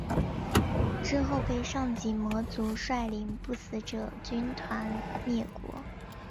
之后被上级魔族率领不死者军团灭国。